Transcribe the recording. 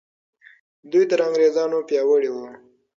دوی تر انګریزانو پیاوړي وو.